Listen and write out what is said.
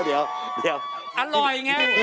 เดี๋ยวอยังงี้